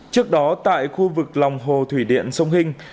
trước đó tại khu vực lòng hồ thủy điện sông hình